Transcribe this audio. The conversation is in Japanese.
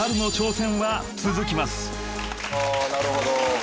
なるほど。